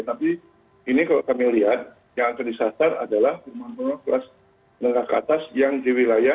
tapi ini kalau kami lihat yang akan disasar adalah rumah rumah kelas menengah ke atas yang di wilayah